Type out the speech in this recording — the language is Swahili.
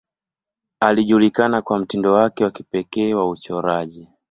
Alijulikana kwa mtindo wake wa kipekee wa uchoraji.